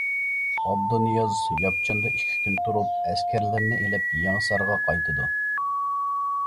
ئابدۇنىياز ياپچاندا ئىككى كۈن تۇرۇپ ئەسكەرلىرىنى ئېلىپ يېڭىسارغا قايتىدۇ.